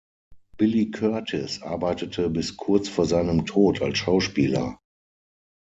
Billy Curtis arbeitete bis kurz vor seinem Tod als Schauspieler.